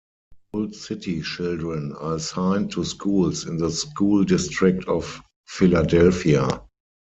Old City children are assigned to schools in the School District of Philadelphia.